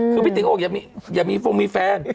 คือพี่ติ๋มโอ้ยอย่ามีโฟงมีแฟน